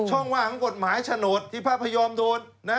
ว่างของกฎหมายโฉนดที่พระพยอมโดน